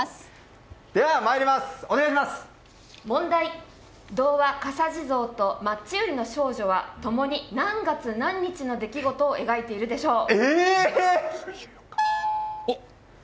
問題、童話「かさじぞう」と「マッチ売りの少女」は共に何月何日の出来事を描いているでしょう。